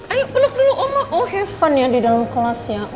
ayo peluk dulu uma oh have fun ya di dalam kelasnya